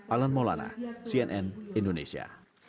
alan maulana cnn indonesia